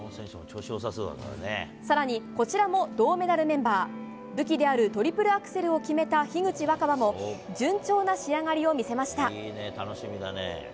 更に、こちらも銅メダルメンバー武器であるトリプルアクセルを決めた樋口新葉も順調な仕上がりを見せました。